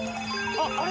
あっあれ？